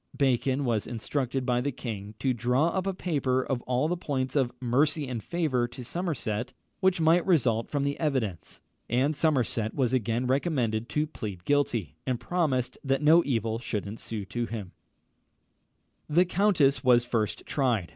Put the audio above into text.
Bacon was instructed by the king to draw up a paper of all the points of "mercy and favour" to Somerset which might result from the evidence; and Somerset was again recommended to plead guilty, and promised that no evil should ensue to him. [Illustration: THE EARL OF SOMERSET.] The countess was first tried.